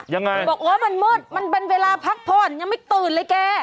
ยังไงมันมืดมันเป็นเวลาพักพ่นยังไม่ตื่นเลยเก๊